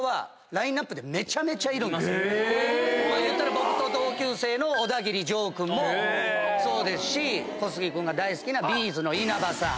言ったら僕と同級生のオダギリジョー君もそうですし小杉君が大好きなＢ’ｚの稲葉さん。